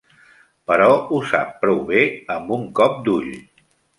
Però ho sap prou bé amb un cop d'ull.